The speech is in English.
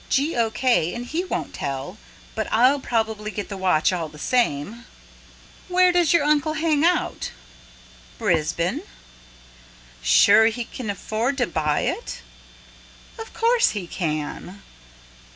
"G. o. k. and He won't tell. But I'll probably get the watch all the same." "Where does your uncle hang out?" "Brisbane." "Sure he can afford to buy it?" "Of course he can."